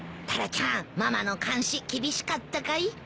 タラちゃんママの監視厳しかったかい？